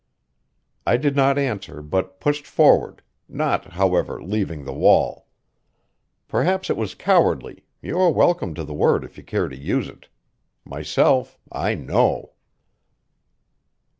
I did not answer, but pushed forward, not, however, leaving the wall. Perhaps it was cowardly; you are welcome to the word if you care to use it. Myself, I know.